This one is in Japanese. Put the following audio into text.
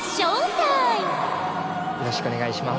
よろしくお願いします。